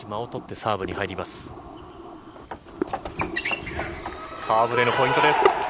サーブでのポイントです。